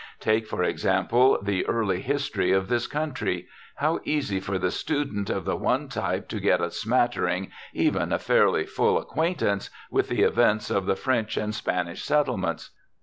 Take, for example, the early history of this country how easy for the student of the one type to get a smattering, even a fairly full acquaintance with the events of the French and Spanish settlements.